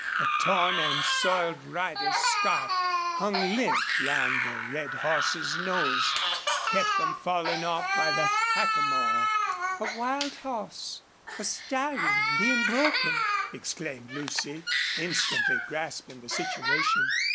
A torn and soiled rider's scarf hung limp round the red horse's nose, kept from falling off by the hackamore. "A wild horse, a stallion, being broken!" exclaimed Lucy, instantly grasping the situation.